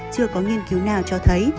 chưa có nghiên cứu nào cho thấy